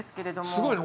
すごいね。